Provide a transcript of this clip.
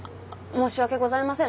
申し訳ございません。